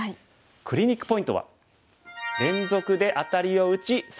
クリニックポイントは。